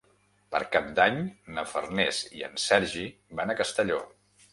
Per Cap d'Any na Farners i en Sergi van a Castelló.